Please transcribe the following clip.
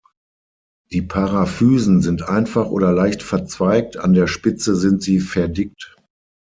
Die Paraphysen sind einfach oder leicht verzweigt, an der Spitze sind sie verdickt.